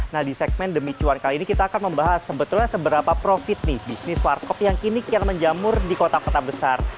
nah di segmen demi cuan kali ini kita akan membahas sebetulnya seberapa profit nih bisnis warkop yang kini kian menjamur di kota kota besar